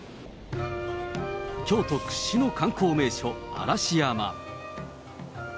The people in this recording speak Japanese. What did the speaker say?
京都屈指の観光名所、嵐山。